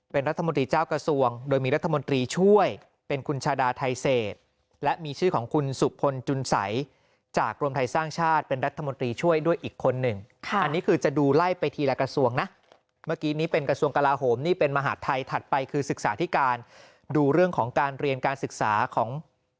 เป็นรัฐมนตรีเจ้ากระทรวงโดยมีรัฐมนตรีช่วยเป็นคุณชาดาไทเศษและมีชื่อของคุณสุพลจุนสัยจากรวมไทยสร้างชาติเป็นรัฐมนตรีช่วยด้วยอีกคนหนึ่งอันนี้คือจะดูไล่ไปทีละกระทรวงนะเมื่อกี้นี้เป็นกระทรวงกลาโหมนี่เป็นมหาดไทยถัดไปคือศึกษาธิการดูเรื่องของการเรียนการศึกษาของ